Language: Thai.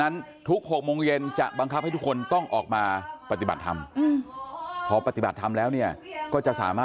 ไอรอนแมนกับตังค์อันทร์วิกา